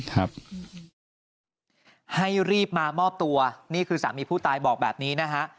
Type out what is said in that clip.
ให้รีบมามอบตัวนี่คือสามีผู้ตายบอกแบบนี้นะฮะ